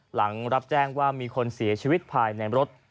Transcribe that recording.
หลังรับแจ้งว่ามีคนเสียชีวิตภายในรถ